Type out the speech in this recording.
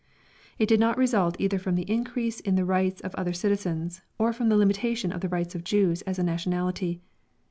It did not result either from the increase in the rights of other citizens, or from the limitation of the rights of the Jews as a nationality.